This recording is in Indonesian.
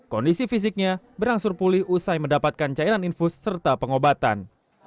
kondisi fisiknya berangsur pulih usai mendapatkan cairan infus serta pengobatan